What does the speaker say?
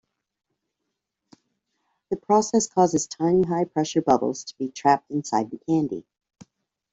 The process causes tiny high pressure bubbles to be trapped inside the candy.